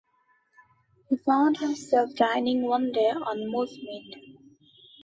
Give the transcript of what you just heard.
He found himself dining one day on moose-meat.